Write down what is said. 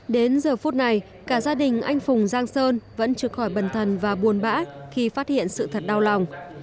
đến giờ phút này cả gia đình anh phùng giang sơn vẫn trực khỏi bần thần và buồn bã khi phát hiện sự thật đau lòng